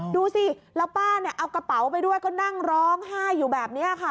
ดูสิแล้วป้าเนี่ยเอากระเป๋าไปด้วยก็นั่งร้องไห้อยู่แบบนี้ค่ะ